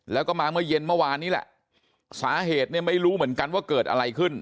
แล้วก็มาเมื่อเย็นเมื่อวานนี้แหละสาเหตุเนี่ยไม่รู้เหมือนกันว่าเกิดอะไรขึ้น